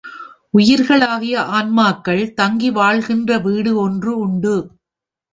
உயிர்களாகிய ஆன்மாக்கள் தங்கி வாழ்கின்ற வீடு ஒன்று உண்டு.